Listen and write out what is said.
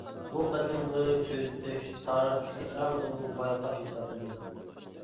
بۇ قېتىمقى كۆزىتىش تارىختىكى ئەڭ ئۇلۇغ بايقاش ھېسابلىنىدۇ.